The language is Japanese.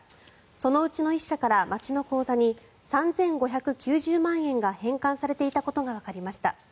そのうちの１社から町の口座に３５９０万円が返還されていたことがわかりました。